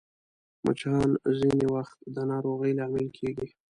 مچان ځینې وخت د ناروغۍ لامل کېږي